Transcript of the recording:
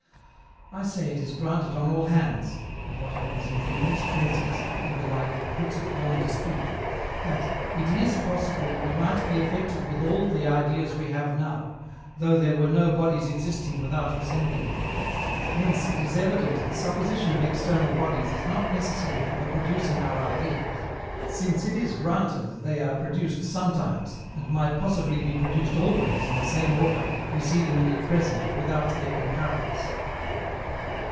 I say it is granted on all hands (and what happens in dreams, phrensies, and the like, puts it beyond dispute) that IT IS POSSIBLE WE MIGHT BE AFFECTED WITH ALL THE IDEAS WE HAVE NOW, THOUGH THERE WERE NO BODIES EXISTING WITHOUT RESEMBLING THEM. Hence, it is evident the supposition of external bodies is not necessary for the producing our ideas; since it is granted they are produced sometimes, and might possibly be produced always in the same order, we see them in at present, without their concurrence.